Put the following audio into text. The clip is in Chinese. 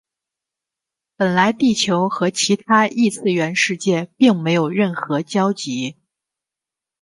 本来地球和其他异次元世界并没有任何交集。